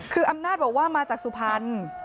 คืออำนาจบอกว่ามาจากสุพรรณ